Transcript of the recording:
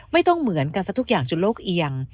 ไม่ต้องเหมือนกันสักทุกอย่างจนโลกเอียง